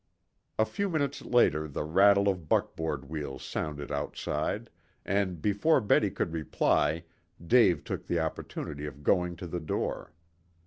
A few minutes later the rattle of buckboard wheels sounded outside, and before Betty could reply Dave took the opportunity of going to the door.